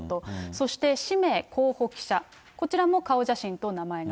そして氏名候補記者、こちらも顔写真と名前が。